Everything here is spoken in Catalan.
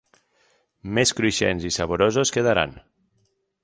Més cruixents i saborosos quedaran.